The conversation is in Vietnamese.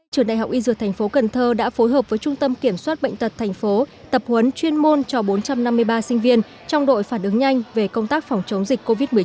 trường đại học y dược tp cn đã phối hợp với trung tâm kiểm soát bệnh tật tp hcm tập huấn chuyên môn cho bốn trăm năm mươi ba sinh viên trong đội phản ứng nhanh về công tác phòng chống dịch covid một mươi chín